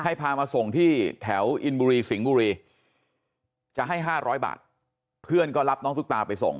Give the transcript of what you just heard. พามาส่งที่แถวอินบุรีสิงห์บุรีจะให้๕๐๐บาทเพื่อนก็รับน้องตุ๊กตาไปส่ง